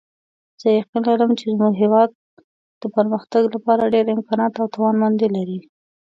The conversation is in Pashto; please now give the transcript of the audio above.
زه یقین لرم چې زموږ هیواد د پرمختګ لپاره ډېر امکانات او توانمندۍ لري